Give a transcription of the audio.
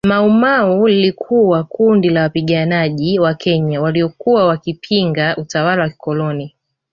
Maumau lilikuwa kundi la wapiganaji wa Kenya waliokuwa wakipinga utawala wa kikoloni